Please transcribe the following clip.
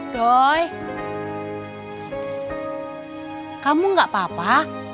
doy kamu gak apa apa